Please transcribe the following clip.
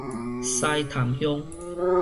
獅潭鄉